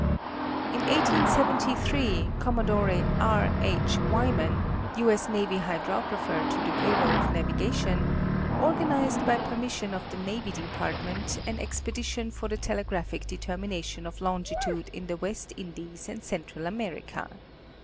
In 1873, Commodore R. H. Wyman, U. 8. N. Hydrographer to the Bureau of Navigation, organized by permission of the Navy Department, an expedition for the telegraphic determination of longitude in the West Indies and Central America.